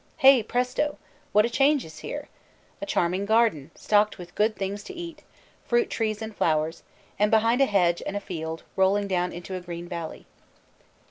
Hey, presto! what a change is here. A charming garden, stocked with good things to eat, fruit trees and flowers, and behind a hedge and a field rolling down into a green valley.